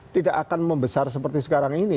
tidak akan membesar seperti sekarang ini